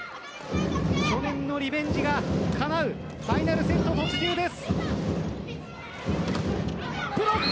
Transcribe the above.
去年のリベンジがかなうファイナルセット突入です。